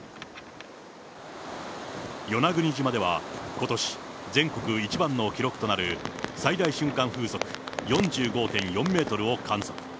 与那国島では、ことし、全国一番の記録となる、最大瞬間風速４５．４メートルを観測。